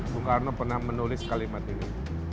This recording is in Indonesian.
bung karno pernah menulis kalimat ini